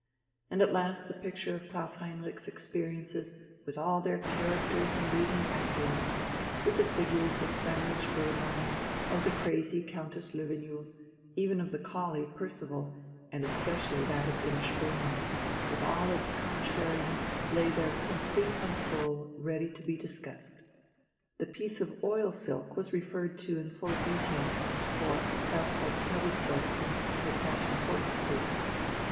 And at last the picture of Klaus Heinrich's experiences with all their characters and leading actors, with the figures of Samuel Spoelmann, of the crazy Countess Löwenjoul, even of the collie, Percival, and especially that of Imma Spoelmann, with all its contrariness, lay there complete and full, ready to be discussed. The piece of oil silk was referred to in full detail, for Herr von Knobelsdorff seemed to attach importance to it.